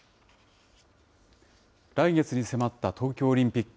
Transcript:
来月に迫った東京オリンピック。